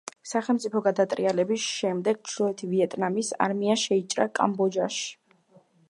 სახელმწიფო გადატრიალების შემდეგ ჩრდილოეთ ვიეტნამის არმია შეიჭრა კამბოჯაში.